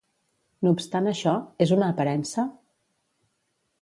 No obstant això, és una aparença?